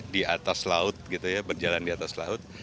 dan wisata di atas laut